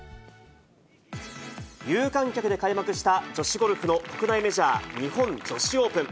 有観客で開幕した女子ゴルフの国内メジャー、日本女子オープン。